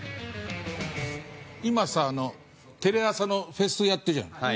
今さテレ朝のフェスやってるじゃん。